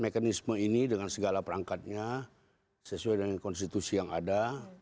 mekanisme ini dengan segala perangkatnya sesuai dengan konstitusi yang ada